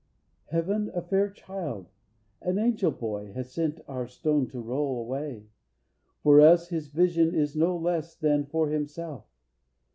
"Heaven, a fair child, An angel boy, has sent our stone to roll Away! For us his vision is no less Than for himself.